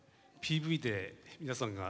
ＰＶで皆さんが。